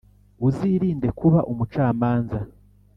Uzirinde kuba umucamanza,